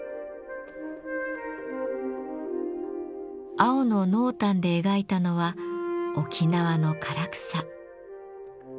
青の濃淡で描いたのは沖縄の唐草。